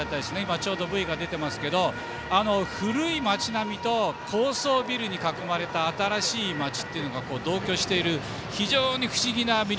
ちょうどＶＴＲが出ていますが古い街並みと高層ビルに囲まれた新しい街が同居している非常に不思議な魅力。